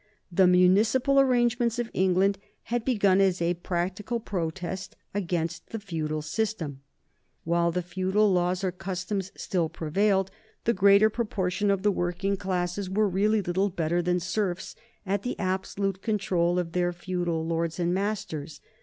The municipal arrangements of England had begun as a practical protest against the feudal system. While the feudal laws or customs still prevailed, the greater proportion of the working classes were really little better than serfs at the absolute control of their feudal lords and masters.